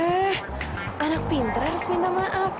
eh anak pintar harus minta maaf